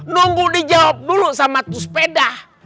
nunggu dijawab dulu sama tuh sepeda